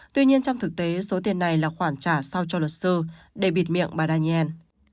tuy nhiên trong thực tế số tiền này là khoản trả sao cho luật sư để bịt miệng bà daniel